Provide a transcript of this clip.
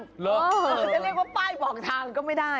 จะเรียกว่าป้ายบอกทางก็ไม่ได้